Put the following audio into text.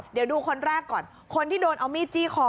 เดี๋ยวดูคนแรกก่อนคนที่โดนเอามีดจี้คอ